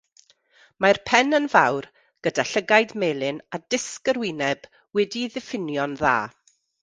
Mae'r pen yn fawr, gyda llygaid melyn a disg yr wyneb wedi'i ddiffinio'n dda.